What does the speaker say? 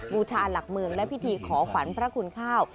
บูชาหลักเมืองและพิธีขอขวัญพระคุณข้าว